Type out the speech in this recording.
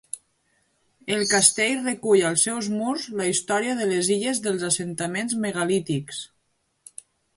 El castell recull als seus murs la història de les Illes des dels assentaments megalítics.